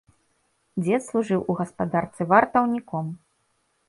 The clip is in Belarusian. Дзед служыў у гаспадарцы вартаўніком.